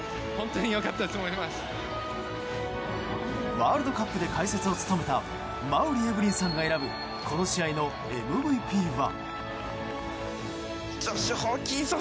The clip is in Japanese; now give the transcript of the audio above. ワールドカップで解説を務めた馬瓜エブリンさんが選ぶこの試合のＭＶＰは。